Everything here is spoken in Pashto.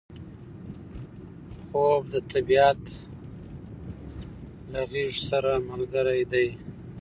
خوب د طبیعت له غیږې سره ملګری دی